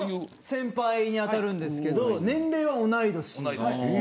先輩に当たるんですが年齢は同い年。